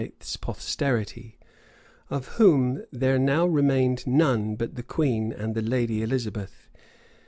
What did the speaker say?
's posterity, of whom there now remained none but the queen and the lady Elizabeth.